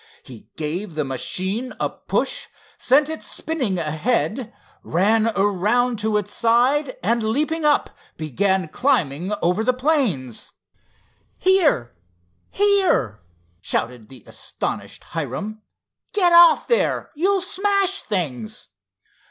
He gave the machine a push, sent it spinning ahead, ran around to its side and leaping up began climbing over the planes. "Here! here!" shouted the astonished Hiram, "get off there. You'll smash things."